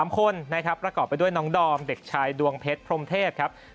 ๓คนนะครับประกอบไปด้วยน้องดอมเด็กชายดวงเพชรพรมเทพครับ